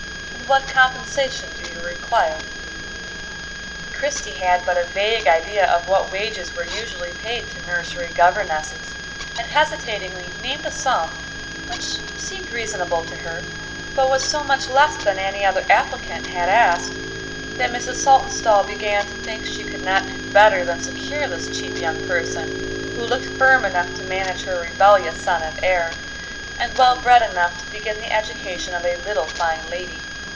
And what compensation do you require?" Christie had but a vague idea of what wages were usually paid to nursery governesses, and hesitatingly named a sum which seemed reasonable to her, but was so much less than any other applicant had asked, that Mrs. Saltonstall began to think she could not do better than secure this cheap young person, who looked firm enough to manage her rebellious son and heir, and well bred enough to begin the education of a little fine lady.